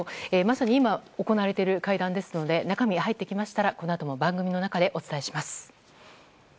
まさに今行われている会談ですので中身が入ってきましたらこのあとも番組の中でお伝えします。